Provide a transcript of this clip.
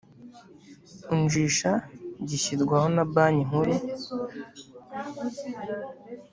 unjisha gishyirwaho na banki nkuru